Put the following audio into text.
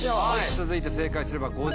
続いて正解すれば。